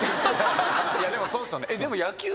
いやでもそうっすよね。